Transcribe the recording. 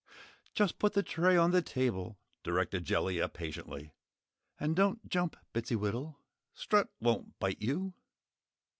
"Just put the tray on the table," directed Jellia, patiently. "And don't jump, Bittsywittle! Strut won't bite you."